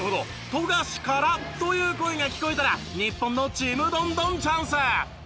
「富樫から」という声が聞こえたら日本のちむどんどんチャンス！